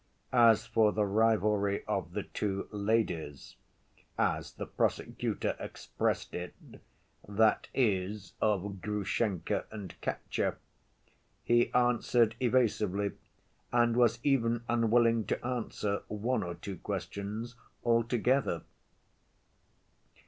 As for the rivalry of the two "ladies," as the prosecutor expressed it—that is, of Grushenka and Katya—he answered evasively and was even unwilling to answer one or two questions altogether.